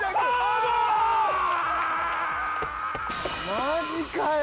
マジかよ。